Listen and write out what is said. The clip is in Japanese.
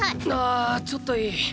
あーちょっといい？